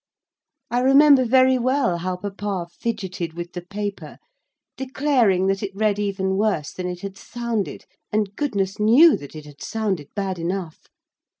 I remember very well how papa fidgeted with the paper, declaring that it read even worse than it had sounded, and goodness knew that it had sounded bad enough.